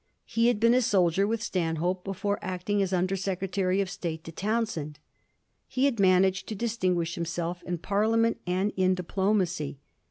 He had been a soldier with Stanhope before acting as Under Secretary of State to Towns hend ; he had managed to distinguish himself in Parliament and in diplomacy.